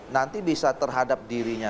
nanti bisa terhadap dirinya